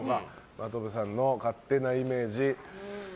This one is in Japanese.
真飛さんの勝手なイメージ。